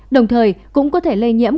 đồng thời cũng có thể lây nhiễm